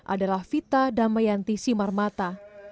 adalah vita damayanti simarmata